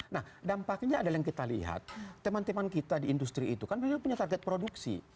nah dampaknya adalah yang kita lihat teman teman kita di industri itu kan memang punya target produksi